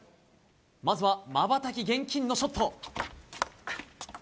まずは、まばたき厳禁のショット。